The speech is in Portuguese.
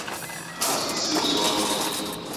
Raspe seus olhos